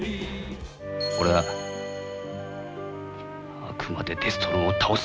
俺はあくまでデストロンを倒す。